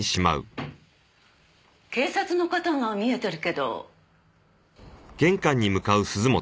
警察の方が見えてるけど。